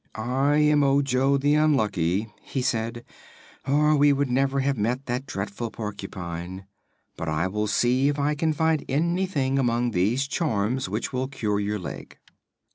"I am Ojo the Unlucky," he said, "or we would never have met that dreadful porcupine. But I will see if I can find anything among these charms which will cure your leg."